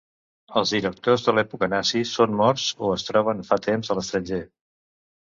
Els directors de l'època nazi són morts o es troben fa temps a l'estranger.